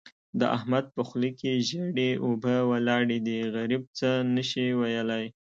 د احمد په خوله کې ژېړې اوبه ولاړې دي؛ غريب څه نه شي ويلای.